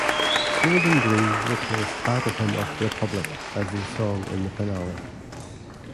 "Golden Dream" replaced "Battle Hymn of the Republic" as the song in the finale.